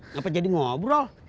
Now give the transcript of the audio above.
ngapain jadi ngobrol